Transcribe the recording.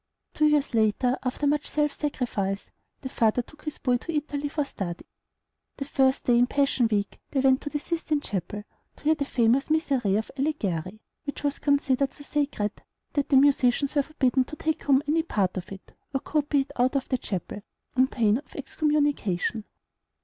Two years later, after much self sacrifice, the father took his boy to Italy for study. The first day in Passion Week they went to the Sistine Chapel to hear the famous "Miserere" of Allegri, which was considered so sacred, that the musicians were forbidden to take home any part of it, or copy it out of the chapel, on pain of excommunication.